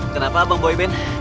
kenapa bang boy ben